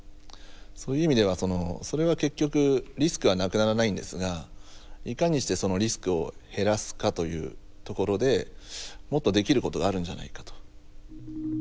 そういう意味ではそのそれは結局リスクはなくならないんですがいかにしてそのリスクを減らすかというところでもっとできることがあるんじゃないかと。